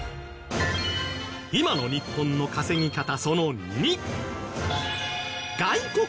今の日本の稼ぎ方その２